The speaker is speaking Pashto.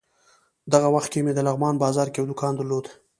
دغه وخت کې مې د لغمان بازار کې یو دوکان درلود.